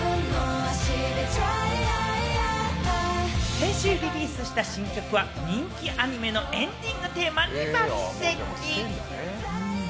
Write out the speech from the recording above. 先週リリースした新曲は人気アニメのエンディングテーマに抜てき。